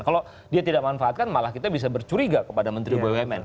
kalau dia tidak manfaatkan malah kita bisa bercuriga kepada menteri bumn